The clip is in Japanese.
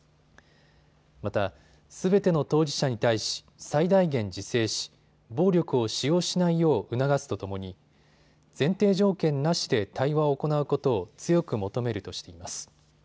また、すべての当事者に対し、最大限自制し暴力を使用しないよう促すとともに前提条件なしで対話を行うことを強く求めるとしています。